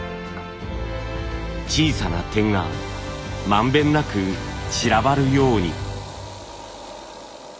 小さな点が満遍なく散らばるように。